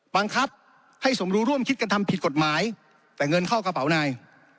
บังคับให้สมรู้ร่วมคิดกันทำผิดกฎหมายแต่เงินเข้ากระเป๋านาย